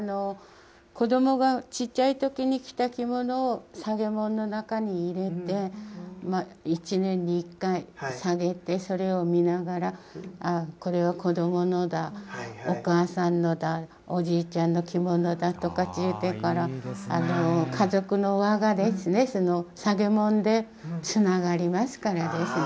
子どもがちっちゃいときに着た着物をさげもんの中に入れて、１年に１回さげて、それを見ながら、これは子どものだ、お母さんのだ、おじいちゃんの着物だとか、家族の輪がですね、さげもんでつながりますからですね。